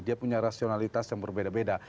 dia punya rasionalitas yang berbeda beda